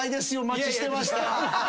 待ちしてました。